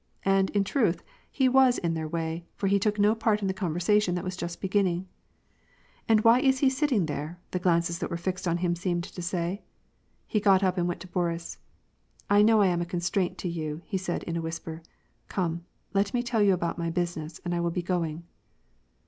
And, in truth, he was in their way, for he took no part in the conversation that was just beginning. " And why is he sitting there ?" the glances that were fixed on him seemed to say. He got up and went to Boris. "I know I am a constraint to you," said he, in a whisper. " Come, let me tell you about my business, and I will be going."